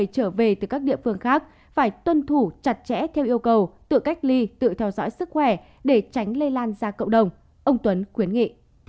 trở về từ các địa phương khác phải tuân thủ chặt chẽ theo yêu cầu tự cách ly tự theo dõi sức khỏe để tránh lây lan ra cộng đồng ông tuấn khuyến nghị